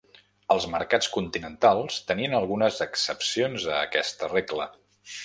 Els mercats continentals tenien algunes excepcions a aquesta regla.